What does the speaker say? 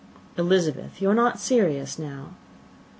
"Elizabeth, you are not serious now."